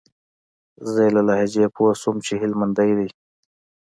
زه يې له لهجې پوه سوم چې هلمندى دى.